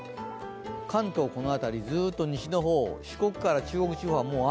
関東はこの辺り、ずっと西の方、四国から中国地方は雨。